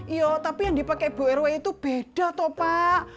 iya tapi yang dipake bu erwe itu beda pak